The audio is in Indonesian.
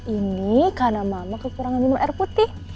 ini karena mama kekurangan minum air putih